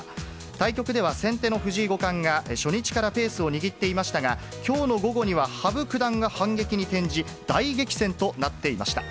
対局では先手の藤井五冠が初日からペースを握っていましたが、きょうの午後には羽生九段が反撃に転じ、大激戦となっていました。